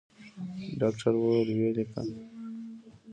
ډاکتر وويل ويې ليکه.